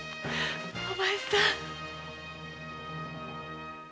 お前さん。